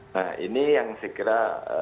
nah ini yang saya kira